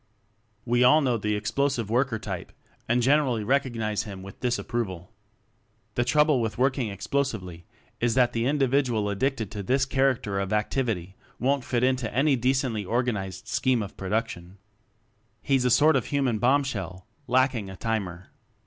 We all know the Explosive Worker type and generally recognize him with disapproval. The trouble with working explo sively is that the individual addicted to this character of activity won't fit into any decently organized scheme of pro duction. He's a sort of human bomb shell lacking a timer.